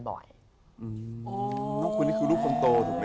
น้องคุณนี่คือลูกคนโตถูกมั้ยครับ